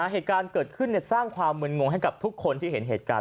เหตุการณ์เกิดขึ้นสร้างความมึนงงให้กับทุกคนที่เห็นเหตุการณ์